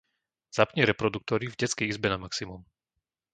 Zapni reproduktory v detskej izbe na maximum.